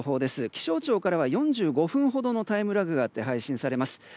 気象庁からは４５分ほどのタイムラグがあって配信されます。